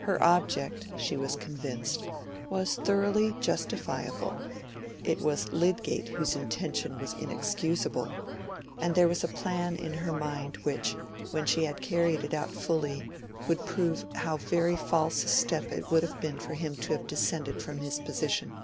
Her object, she was convinced, was thoroughly justifiable: it was Lydgate whose intention was inexcusable; and there was a plan in her mind which, when she had carried it out fully, would prove how very false a step it would have been for him to have descended from his position.